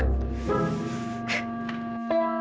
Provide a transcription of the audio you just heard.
anak di mana sih